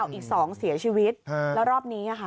อีก๒เสียชีวิตแล้วรอบนี้ค่ะ